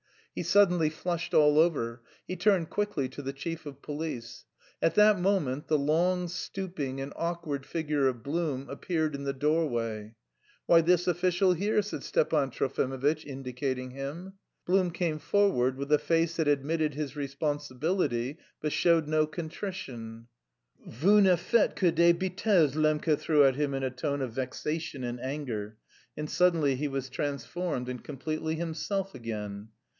He suddenly flushed all over. He turned quickly to the chief of police. At that moment the long, stooping, and awkward figure of Blum appeared in the doorway. "Why, this official here," said Stepan Trofimovitch, indicating him. Blum came forward with a face that admitted his responsibility but showed no contrition. "Vous ne faites que des bêtises," Lembke threw at him in a tone of vexation and anger, and suddenly he was transformed and completely himself again.